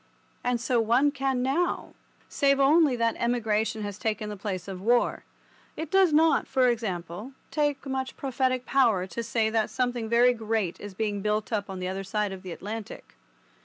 And so one can now, save only that emigration has taken the place of war. It does not, for example, take much prophetic power to say that something very great is being built up on the other side of the Atlantic.